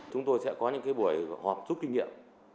chúng tôi sẽ có những buổi họp rút kinh nghiệm